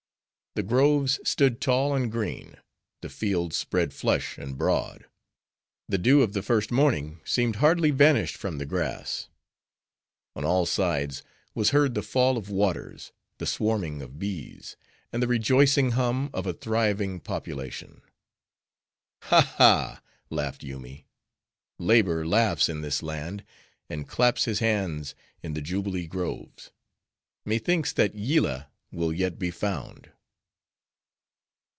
The groves stood tall and green; the fields spread flush and broad; the dew of the first morning seemed hardly vanished from the grass. On all sides was heard the fall of waters, the swarming of bees, and the rejoicing hum of a thriving population. "Ha, ha!" laughed Yoomy, "Labor laughs in this land; and claps his hands in the jubilee groves! methinks that Yillah will yet be found."